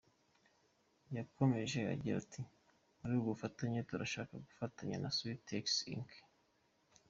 Yakomeje agira ati “Muri ubu bufatanye turashaka gufatanya na Swift-x Inc.